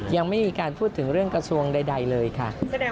ยังไม่มีการพูดถึงเรื่องกระทรวงใดเลยค่ะ